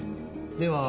では